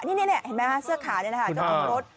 นี่นี่เห็นไหมฮะเสื้อขานี่นะคะคุณผู้ชายรถ